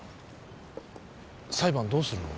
裁判どうするの？